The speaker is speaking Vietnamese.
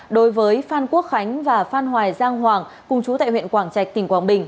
đối với phan quốc khánh và phan hoài giang hoàng cùng chú tại huyện quảng trạch tỉnh quảng bình